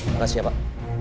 makasih ya pak